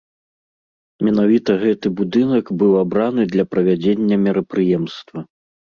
Менавіта гэты будынак быў абраны для правядзення мерапрыемства.